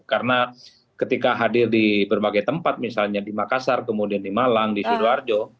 karena ketika hadir di berbagai tempat misalnya di makassar kemudian di malang di sidoarjo